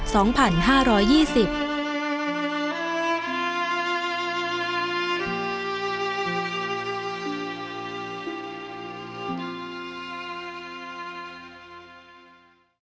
โปรดติดตามตอนต่อไป